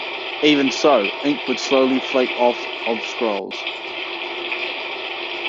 Even so, ink would slowly flake off of scrolls.